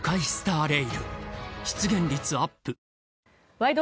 「ワイド！